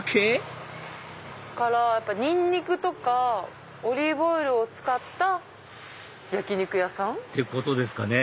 ニンニクとかオリーブオイルを使った焼き肉屋さん？ってことですかね？